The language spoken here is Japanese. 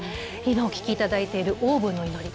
お聴きいただいているオーブの祈り。